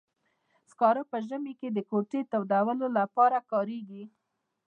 سکاره په ژمي کې د کوټې تودولو لپاره کاریږي.